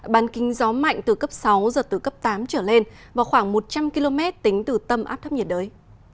bàn kính gió mạnh từ cấp sáu giật từ cấp tám trở lên và khoảng một trăm linh km tính từ tâm áp thấp nhiệt đới